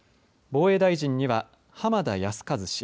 防衛大臣には浜田靖一氏。